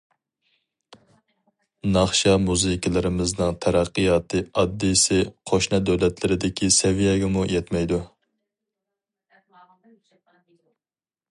ناخشا مۇزىكىلىرىمىزنىڭ تەرەققىياتى ئاددىيسى قوشنا دۆلەتلەردىكى سەۋىيەگىمۇ يەتمەيدۇ.